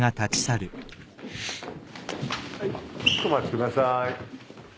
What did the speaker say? お待ちください。